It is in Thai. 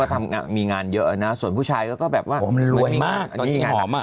ทำงานมีงานเยอะนะส่วนผู้ชายก็แบบว่ารวยมากอันนี้ไง